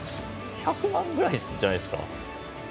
１００万くらいじゃないですか？